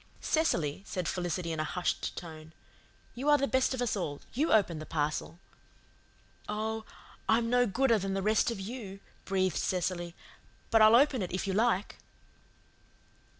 "Cecily," said Felicity in a hushed tone. "You are the best of us all. YOU open the parcel." "Oh, I'm no gooder than the rest of you," breathed Cecily, "but I'll open it if you like."